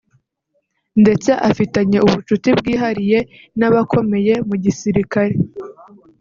ndetse afitanye ubucuti bwihariye n’abakomeye mu gisirikare